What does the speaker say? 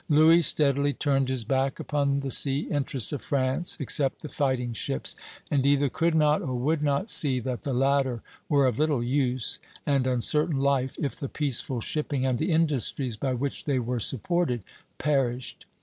Louis steadily turned his back upon the sea interests of France, except the fighting ships, and either could not or would not see that the latter were of little use and uncertain life, if the peaceful shipping and the industries, by which they were supported, perished.